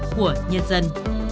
của nhân dân